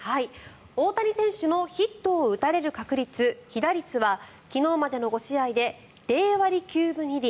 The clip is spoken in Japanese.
大谷選手のヒットを打たれる確率、被打率は昨日までの５試合で０割９分２厘。